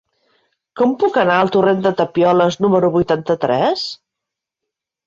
Com puc anar al torrent de Tapioles número vuitanta-tres?